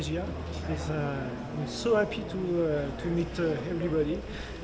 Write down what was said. saya sangat senang bertemu dengan semua orang